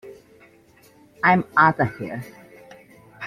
I'm Outta Here!